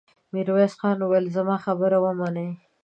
ميرويس خان وويل: زما خبره ومنئ!